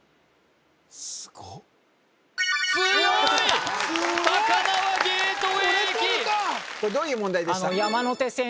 これどういう問題でした？